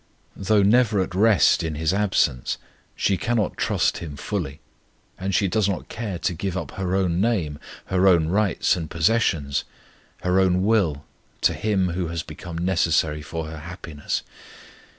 Though never at rest in his absence, she cannot trust him fully; and she does not care to give up her own name, her own rights and possessions, her own will to him who has become necessary for her happiness.